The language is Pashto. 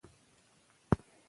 که وخت وي، زه درسره ځم.